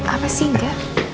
apa sih nggak